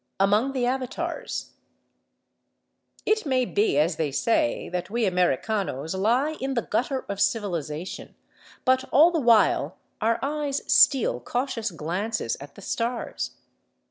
AMONG THE AVATARS It may be, as they say, that we Americanos lie in the gutter of civilization, but all the while our eyes steal cautious glances at the stars.